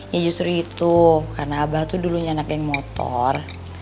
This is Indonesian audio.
ya justru itu karena abah itu dulunya anak geng motor